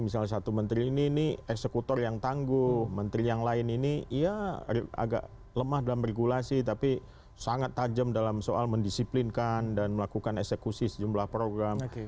misalnya satu menteri ini ini eksekutor yang tangguh menteri yang lain ini ya agak lemah dalam regulasi tapi sangat tajam dalam soal mendisiplinkan dan melakukan eksekusi sejumlah program